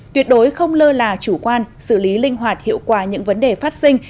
tuyệt đối không lơ là chủ quan xử lý linh hoạt hiệu quả những vấn đề phát sinh